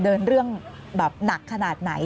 เรื่องแบบหนักขนาดไหน